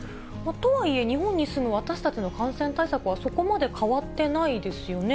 とはいえ、日本に住む私たちの感染対策はそこまで変わってないですよね。